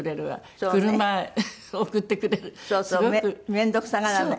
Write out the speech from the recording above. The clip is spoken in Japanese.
面倒くさがらない。